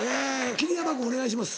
桐山君お願いします。